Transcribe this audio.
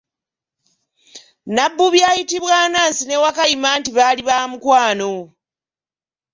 Nabbubi ayitibwa Anansi ne Wakayima anti baali baamukwano.